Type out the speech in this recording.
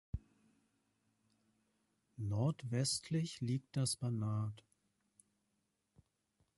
Nordwestlich liegt das Banat.